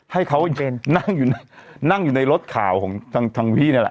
ให้เขานั่งอยู่ในรถข่าวของทางพี่นี่แหละ